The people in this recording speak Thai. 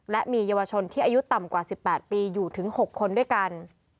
และมีเยาวชนที่อายุต่ำกว่า๑๘ปีอยู่ถึง๖คนด้วยกัน